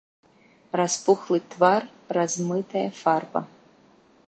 Распухлы твар, размытая фарба.